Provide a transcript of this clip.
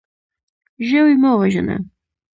ژوی مه وژنه.